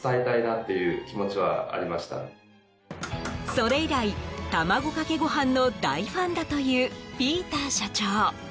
それ以来、卵かけご飯の大ファンだというピーター社長。